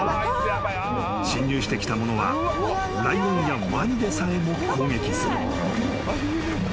［侵入してきたものはライオンやワニでさえも攻撃する］